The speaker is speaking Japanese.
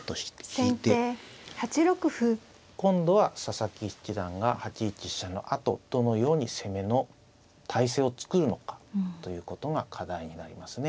今度は佐々木七段が８一飛車のあとどのように攻めの態勢を作るのかということが課題になりますね。